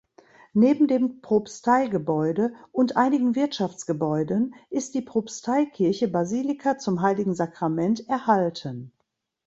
Neben dem Propsteigebäude und einigen Wirtschaftsgebäuden ist die Propsteikirche Basilika zum Heiligen Sakrament erhalten.